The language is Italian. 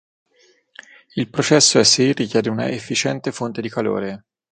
Il processo S-I richiede una efficiente fonte di calore.